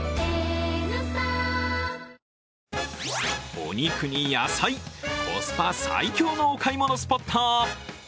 お肉に野菜、コスパ最強のお買い物スポット。